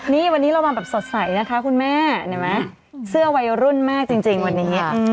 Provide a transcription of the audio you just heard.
นี่วันนี้เรามาแบบสดใสนะคะคุณแม่เห็นไหมเสื้อวัยรุ่นมากจริงวันนี้